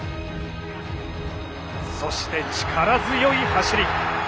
そして、力強い走り。